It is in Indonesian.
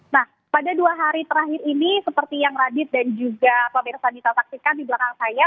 nah pada dua hari terakhir ini seperti yang radit dan juga pemirsa bisa saksikan di belakang saya